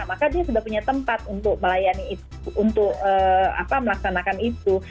maka dia sudah punya tempat untuk melayani itu untuk melaksanakan itu